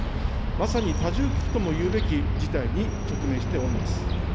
まさに多重危機とも言うべき事態に直面しております。